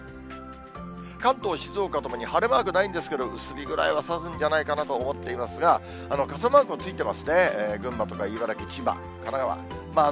関東、静岡ともに晴れマークないんですけど、薄日ぐらいはさすんじゃないかなと思っていますが、傘マークもついてますね、群馬とか茨城、千葉、神奈川。